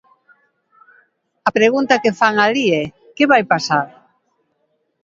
A pregunta que fan alí é: ¿que vai pasar?